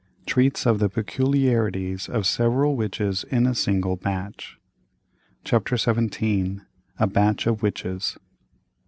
Treats of the peculiarities of several Witches in a single batch. CHAPTER XVII. A BATCH OF WITCHES.